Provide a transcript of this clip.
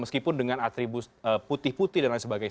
meskipun dengan atribut putih putih dan lain sebagainya